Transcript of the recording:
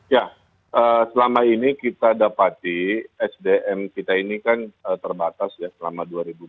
ya selama ini kita dapati sdm kita ini kan terbatas ya selama dua ribu dua puluh